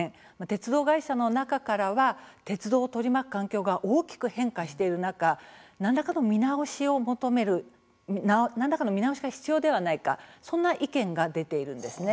鉄道会社の中からは鉄道を取り巻く環境が大きく変化している中何らかの見直しが必要ではないかそんな意見が出ているんです。